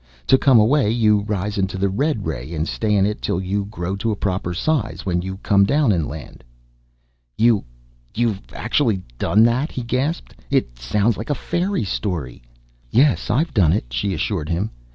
To come away, you rise into the red ray and stay in it till you grow to proper size, when you come down and land." "You you've actually done that?" he gasped. "It sounds like a fairy story!" "Yes, I've done it," she assured him.